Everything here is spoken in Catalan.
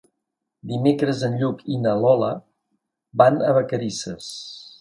Dimecres en Lluc i na Lola van a Vacarisses.